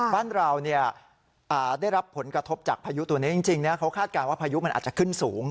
บ้านเราได้รับผลกระทบจากพายุตัวนี้จริงเขาคาดการณ์ว่าพายุมันอาจจะขึ้นสูง